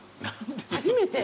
初めて。